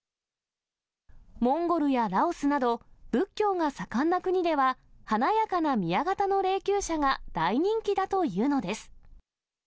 モンゴルやラオスなど、仏教が盛んな国では、華やかな宮型の霊きゅう車が大人気だというのです。